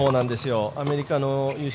アメリカのＵＣ